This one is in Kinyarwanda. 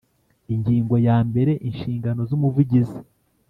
Ingingo ya mbere Inshingano z Umuvugizi